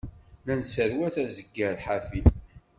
La nesserwat azeggar ḥafi.